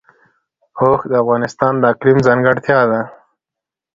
اوښ د افغانستان د اقلیم ځانګړتیا ده.